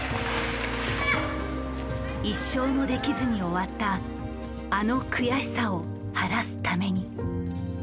一勝もできずに終わったあの悔しさを晴らすために。